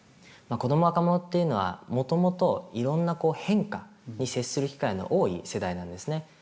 子ども若者っていうのはもともといろんな変化に接する機会の多い世代なんですね。